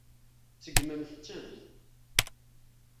Segnemt-tent.